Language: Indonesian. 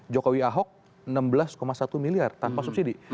jokowi ahok enam belas satu miliar tanpa subsidi